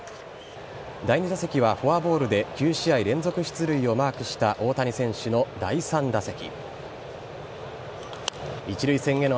第２打席はフォアボールで９試合連続出塁をマークした大谷選手の第３打席。